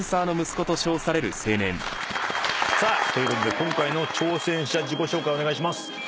さあということで今回の挑戦者自己紹介お願いします。